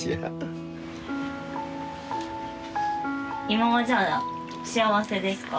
今はじゃあ幸せですか？